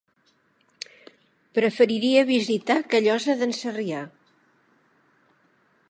Preferiria visitar Callosa d'en Sarrià.